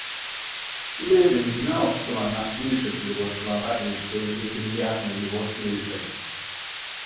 Левин знал, что она слышит его слова и что ей приятно его слышать.